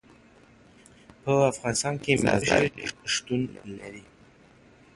په افغانستان کې مزارشریف شتون لري.